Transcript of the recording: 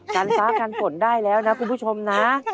การซ้าวการกล่นได้แล้วนะคุณผู้ชมนะ